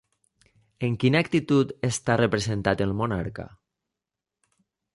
En quina actitud està representat el monarca?